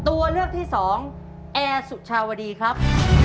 ตัวเลือกที่สองแอร์สุชาวดีครับ